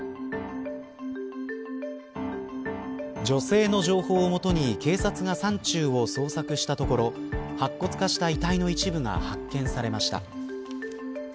女性の情報を元に警察が山中を捜索したところ白骨化した遺体の一部が発見されました。